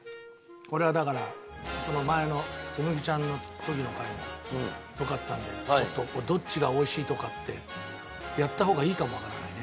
これはだからその前の紬ちゃんの時の回もよかったのでちょっとこれどっちが美味しいとかってやった方がいいかもわからないね。